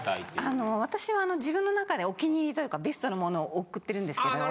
あの私は自分の中でお気に入りというかベストなものを送ってるんですけど。